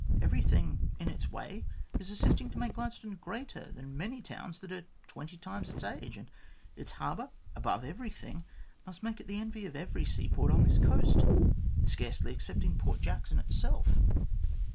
Every thing in its way is assisting to make Gladstone greater than many towns that are twenty times its age, and its harbour, above every thing, must make it the envy of every sea port on this coast, scarcely excepting Port Jackson itself."